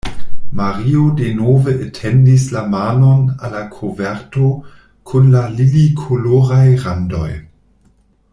Mario denove etendis la manon al la koverto kun la lilikoloraj randoj.